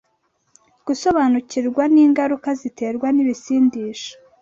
gusobanukirwa n’ingaruka ziterwa n’ibisindisha